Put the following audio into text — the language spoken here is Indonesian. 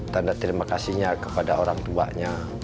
tanda terima kasihnya kepada orang tuanya